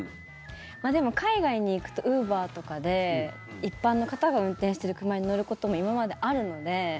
でも、海外に行くとウーバーとかで一般の方が運転してる車に乗ることも、今まであるので。